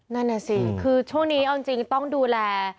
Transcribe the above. นั่นน่ะสิคือช่วงนี้เอาจริงต้องดูแล